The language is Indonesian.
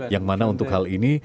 yang mana untuk hal ini